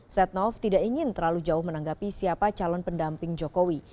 setnoff tidak ingin terlalu jauh menanggapi siapa calon pendamping jokowi